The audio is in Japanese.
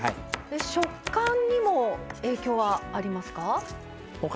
食感にも影響はありますか？